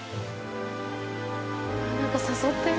何か誘ってる？